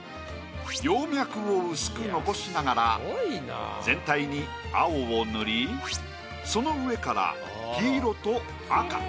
葉脈を薄く残しながら全体に青を塗りその上から黄色と赤。